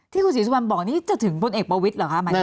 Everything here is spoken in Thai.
ที่คุณศิษย์สุวรรณบอกนี้จะถึงบนเอกประวิทย์หรอคะ